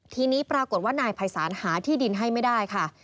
ทีนี้ปรากฏว่านายภัยศาลหาที่ดินให้ไม่ได้ค่ะ